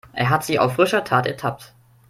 Er hat sie auf frischer Tat ertappt.